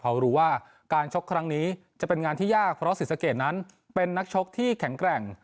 เพราะรู้ว่าการชกครั้งนี้จะเป็นงานที่ยากเพราะศรีสะเกดนั้นเป็นนักชกที่แข็งแกร่ง